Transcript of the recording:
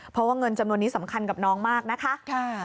เพราะว่าเงินจำนวนนี้สำคัญกับน้องมากนะคะ